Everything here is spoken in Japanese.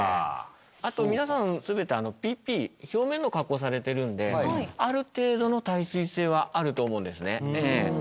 あと皆さん全てＰＰ表面の加工をされてるんである程度の耐水性はあると思うんですね。